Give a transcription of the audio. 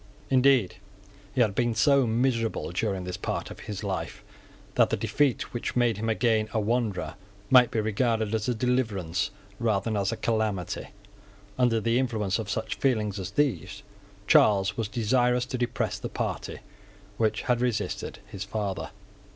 Indeed he had been so miserable during this part of his life that the defeat which made him again a wanderer might be regarded as a deliverance rather than as a calamity. Under the influence of such feelings as these Charles was desirous to depress the party which had resisted his father.